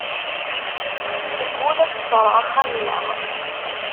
Teggul ad tesserɣ axxam-nneɣ.